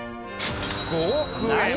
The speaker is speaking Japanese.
５億円！